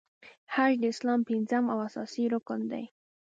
حج د اسلام پنځم او اساسې رکن دی .